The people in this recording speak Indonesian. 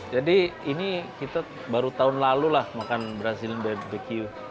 jadi ini kita baru tahun lalu lah makan brazilian barbecue